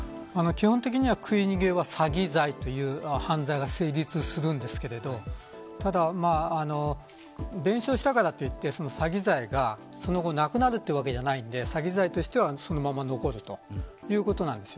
基本的には食い逃げは詐欺罪という犯罪が成立するんですが弁償したからといって詐欺罪がその後なくなるというわけではないので詐欺罪としてはそのまま残るということなんです。